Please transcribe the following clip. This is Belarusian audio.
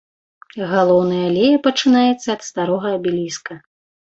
Галоўная алея пачынаецца ад старога абеліска.